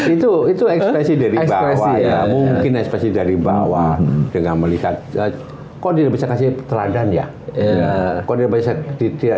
itu itu ekspresi dari bahwa dengan melihat kok bisa kasih peradaan ya kok bisa di tidak